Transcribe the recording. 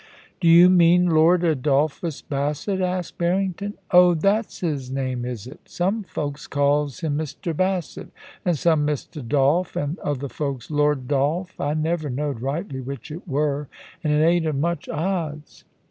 * Do you mean I^rd Adolphus Bassett ?' asked Barring ton. * Oh ! that's his name, is it ? Some folks calls him Mr. Bassett, and some Mr. Dolph, and other folks Lord Dolph. I never knowed rightly which it wur, and it ain't of much odds.'